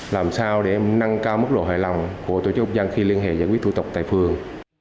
làm sao để nâng cao mức độ hài lòng của tổ chức công dân khi liên hệ giải quyết thủ tục tại phường